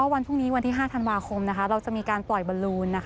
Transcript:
วันพรุ่งนี้วันที่๕ธันวาคมเราจะมีการปล่อยบอลลูน